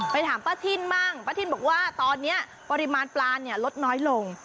ถามป้าทินบ้างป้าทินบอกว่าตอนนี้ปริมาณปลาเนี่ยลดน้อยลง